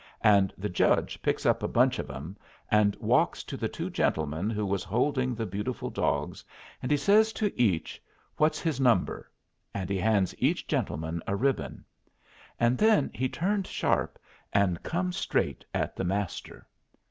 And the judge picks up a bunch of 'em and walks to the two gentlemen who was holding the beautiful dogs, and he says to each, "What's his number?" and he hands each gentleman a ribbon. And then he turned sharp and comes straight at the Master.